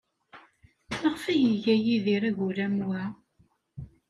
Maɣef ay iga Yidir agul am wa?